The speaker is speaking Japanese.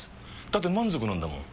だって満足なんだもん。